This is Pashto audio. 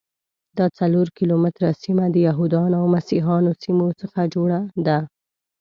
دا څلور کیلومتره سیمه د یهودانو او مسیحیانو سیمو څخه جوړه ده.